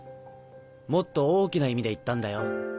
もっと大きな意味で言ったんだよ。